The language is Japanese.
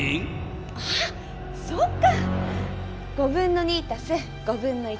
あっそっか！